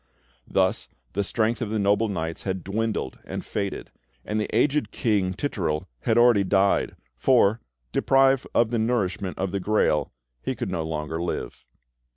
Thus the strength of the noble knights had dwindled and faded; and the aged King Titurel had already died, for, deprived of the nourishment of the Grail, he could no longer live.